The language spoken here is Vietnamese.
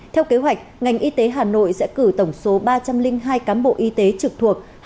theo kế hoạch ngành y tế hà nội sẽ cử tổng số ba trăm linh hai cán bộ y tế trực thuộc